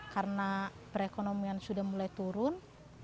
karena perekonomian sudah mulai turun